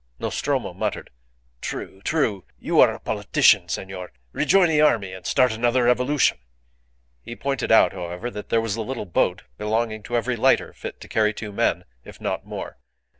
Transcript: Nostromo muttered, "True, true! You are a politician, senor. Rejoin the army, and start another revolution." He pointed out, however, that there was a little boat belonging to every lighter fit to carry two men, if not more.